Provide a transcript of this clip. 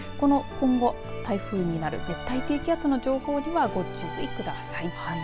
今後台風になる熱帯低気圧の情報にはご注意ください。